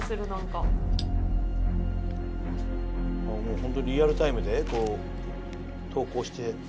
もうホントリアルタイムでこう投稿して。